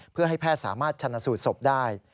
เพื่อให้แพทย์สามารถชนะสูตรศพได้